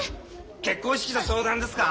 結婚式の相談ですか？